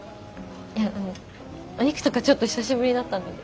いやあのお肉とかちょっと久しぶりだったので。